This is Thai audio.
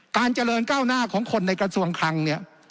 การเจริญก้าวหน้าของคนในกระทรวงคลังเนี่ย